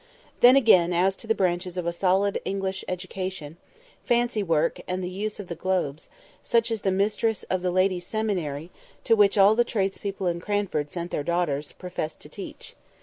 Then again, as to the branches of a solid English education—fancy work and the use of the globes—such as the mistress of the Ladies' Seminary, to which all the tradespeople in Cranford sent their daughters, professed to teach.